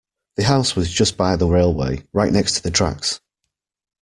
The house was just by the railway, right next to the tracks